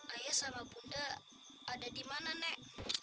ayah sama bunda ada dimana nek